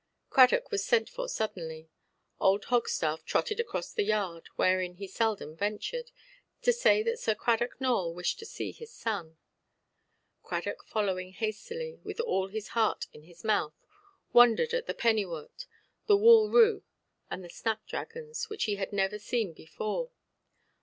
Cradock was sent for suddenly. Old Hogstaff trotted across the yard (wherein he seldom ventured) to say that Sir Cradock Nowell wished to see his son. Cradock following hastily, with all his heart in his mouth, wondered at the penny–wort, the wall–rue, and the snap–dragons, which he had never seen before.